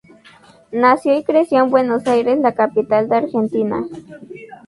Nació y creció en Buenos Aires, la capital de Argentina.